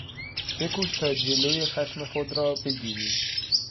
بکوش تا جلو خشم خود را بگیری!